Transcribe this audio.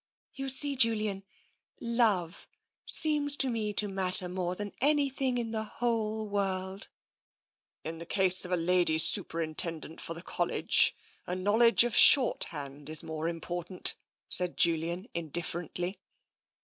You see, Julian, love seems to me to matter more than anything in the whole world." " In the case of a Lady Superintendent for the Col lege, a knowledge of shorthand is more important," said Julian indifferently.